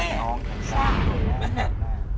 ใช่